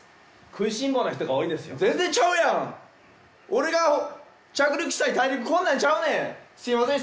食いしん坊な人が多いですよ全然ちゃうやん俺が着陸したい大陸こんなんちゃうねんすいません